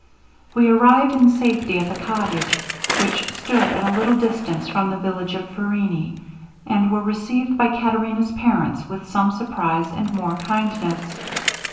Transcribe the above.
We arrived in safety at the cottage, which stood at a little distance from the village of Ferrini, and were received by Caterina's parents with some surprise and more kindness.